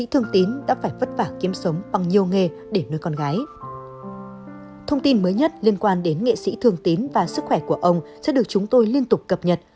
thông tin mới nhất liên quan đến nghệ sĩ thường tín và sức khỏe của ông sẽ được chúng tôi liên tục cập nhật